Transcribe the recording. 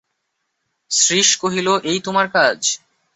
শ্রীশ কহিল, এই তোমার কাজ!